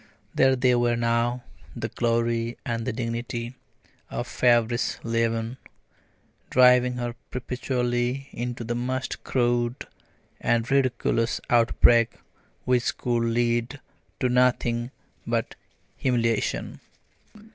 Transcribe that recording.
There they were now the glory and the dignity a feverish leaven, driving her perpetually into the most crude and ridiculous outbreaks, which could lead to nothing but humiliation.